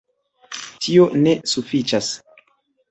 Tio ne sufiĉas.